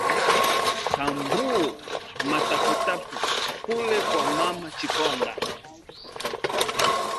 tambuu - matapu tapu kule kwa mama Chikonda